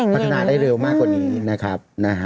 พัฒนาได้เร็วมากกว่านี้นะครับ